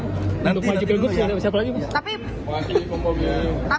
untuk maju pilgrub siapa lagi mbak